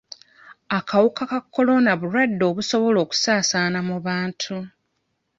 Akawuka ka kolona bulwadde obusobola okusaasaana mu bantu.